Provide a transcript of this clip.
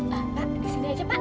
lantar di sini aja pak